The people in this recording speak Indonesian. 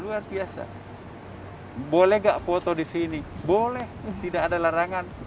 luar biasa boleh nggak foto di sini boleh tidak ada larangan